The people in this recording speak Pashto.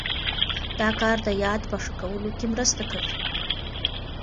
دا کار د یاد په ښه کولو کې مرسته کوي.